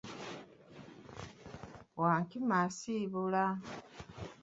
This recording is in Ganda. Wankima asiibula!